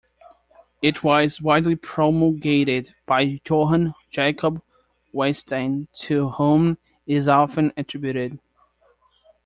It was widely promulgated by Johann Jakob Wettstein, to whom it is often attributed.